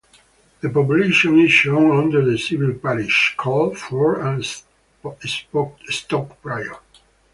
The population is shown under the civil parish - called Ford and Stoke Prior.